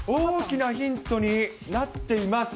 大きなヒントになっています。